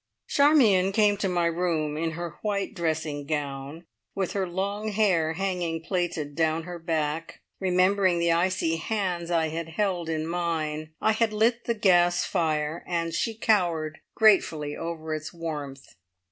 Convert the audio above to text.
Charmion came to my room in her white dressing gown, with her long hair hanging plaited down her back. Remembering the icy hands I had held in mine, I had lit the gas fire, and she cowered gratefully over its warmth.